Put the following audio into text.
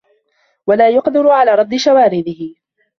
وَلَا يُقْدَرُ عَلَى رَدِّ شَوَارِدِهِ